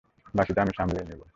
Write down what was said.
বাকিটা আমি সামলিয়ে নেবো।